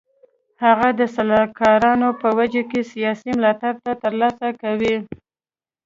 هغه د سلاکارانو په وجود کې سیاسي ملاتړ تر لاسه کاوه.